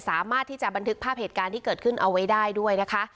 สามารถที่จะบันทึกภาพเหตุการณ์ที่เกิดขึ้นเอาไว้ได้ด้วยนะคะ